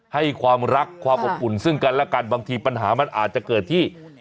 ให้ความรักความอบอุ่นซึ่งกันและกันบางทีปัญหามันอาจจะเกิดที่